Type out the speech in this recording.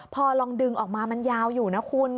พอลองดึงออกมามันยาวอยู่นะคุณ